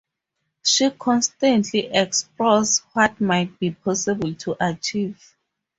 She constantly explores what might be possible to achieve.